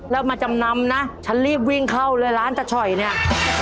แล้วมาจำนำนะฉันรีบวิ่งเข้าเลยร้านตะช่อยเนี่ย